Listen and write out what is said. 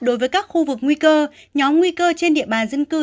đối với các khu vực nguy cơ nhóm nguy cơ trên địa bàn dân cư